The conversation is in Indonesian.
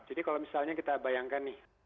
jadi kalau misalnya kita bayangkan nih